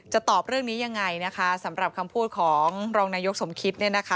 จะตอบเรื่องนี้ยังไงนะคะสำหรับคำพูดของรองนายกสมคิต